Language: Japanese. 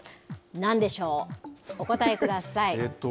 なんでしょう、お答えください。